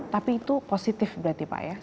tapi itu positif berarti pak ya